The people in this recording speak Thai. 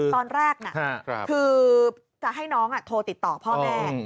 ตอนแรกน่ะคือจะให้น้องโทรติดต่อพ่อแม่